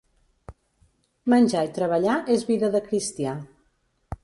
Menjar i treballar és vida de cristià.